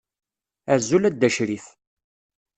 Azul a Dda crif.